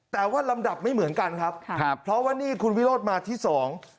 แต่ว่าลำดับไม่เหมือนกันครับครับเพราะว่านี่คุณวิโรธมาที่สอง